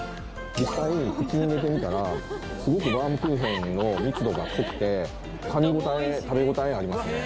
実際口に入れてみたらすごくバウムクーヘンの密度が濃くて噛み応え食べ応えありますね